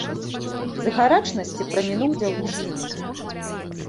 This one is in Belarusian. З гарачнасці прамінуў дзяўчыну.